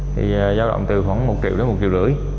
thì giao động từ khoảng một triệu đến một triệu rưỡi